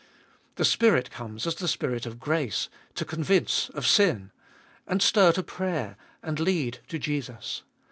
The Spirit comes as the Spirit of grace, to con vince of sin and stir to prayer and lead to Jesus.